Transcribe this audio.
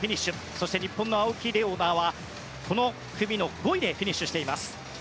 そして日本の青木玲緒樹はこの組の５位でフィニッシュしています。